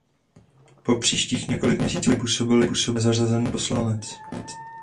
Po příštích několik měsíců působil jako nezařazený poslanec.